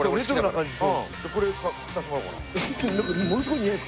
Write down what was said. これにさせてもらおうかな。